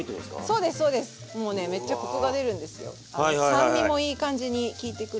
酸味もいい感じに効いてくるし。